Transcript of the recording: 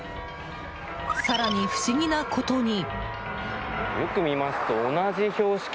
更に不思議なことに。